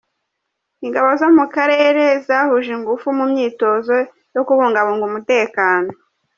Ingabo zo mu karere zahuje ingufu mu myitozo yo kubungabunga umutekano